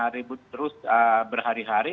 ribut terus berhari hari